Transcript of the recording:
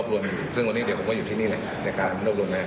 เพราะว่ามายมีกันกความที่จะเปิดห้องเครื่องอ้๓๕